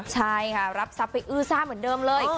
ใช่ค่ะรับทรัพย์ไปอื้อซ่าเหมือนเดิมเลย